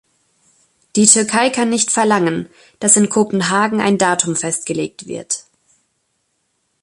Die Türkei kann nicht verlangen, dass in Kopenhagen ein Datum festgelegt wird.